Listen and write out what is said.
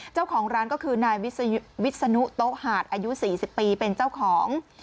เจ้าของร้านก็คือนายวิศนุโต๊ะหาดอายุ๔๐ปีเป็นเจ้าของ